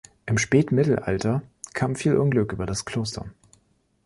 Im Spätmittelalter kam viel Unglück über das Kloster.